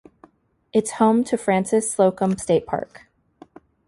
It's home to Frances Slocum State Park.